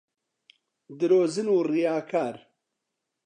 درۆزن و ڕیاکار